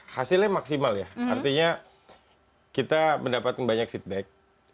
hasilnya maksimal ya artinya kita mendapatkan banyak feedback